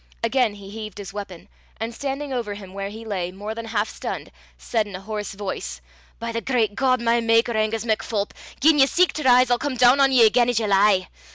Again he heaved his weapon, and standing over him where he lay, more than half stunned, said in a hoarse voice, "By the great God my maker, Angus MacPholp, gien ye seek to rise, I'll come doon on ye again as ye lie!